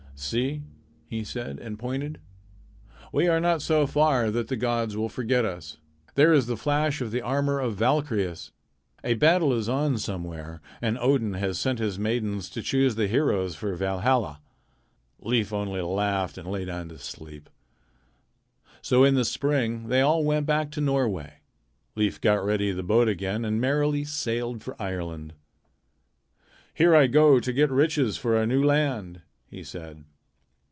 "See," he said, and pointed. "We are not so far that the gods will forget us. There is the flash of the armor of the Valkyrias. A battle is on somewhere, and Odin has sent his maidens to choose the heroes for Valhalla." Leif only laughed and lay down to sleep. So in the spring they all went back to Norway. Leif got ready the boat again and merrily sailed for Ireland. "Here I go to get riches for our new land," he said.